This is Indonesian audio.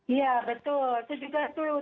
iya betul itu juga dulu